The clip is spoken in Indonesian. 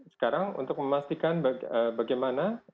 sekarang untuk memastikan bagaimana